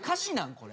これ。